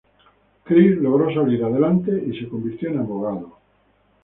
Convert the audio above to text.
Chris logró salir adelante y se convirtió en abogado.